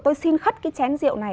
tôi xin khất cái chén rượu này